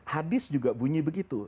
hadis juga bunyi begitu